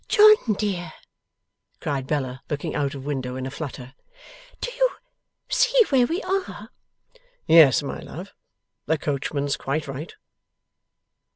'John dear!' cried Bella, looking out of window in a flutter. 'Do you see where we are?' 'Yes, my love. The coachman's quite right.